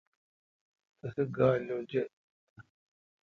تسے گا لوجے°۔